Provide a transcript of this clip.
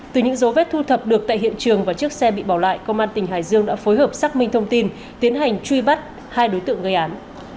từ những dấu vết thu thập được tại hiện trường và chiếc xe bị bỏ lại công an tỉnh hải dương đã phối hợp xác minh thông tin tiến hành truy bắt hai đối tượng gây án